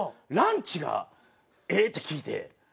ランチがええって聞いて。